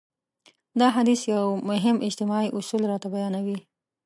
دا حديث يو مهم اجتماعي اصول راته بيانوي.